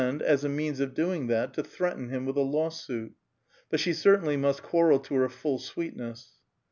as a means of doing that, to threaten him with a lawsuit. But she cer tainly must quarrel to her full sweetness.